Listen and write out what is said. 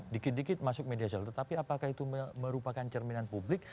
dikit dikit masuk media sosial tetapi apakah itu merupakan cerminan publik